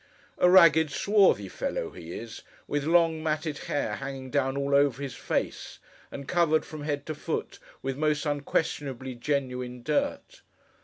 A ragged, swarthy fellow he is: with long matted hair hanging down all over his face: and covered, from head to foot, with most unquestionably genuine dirt.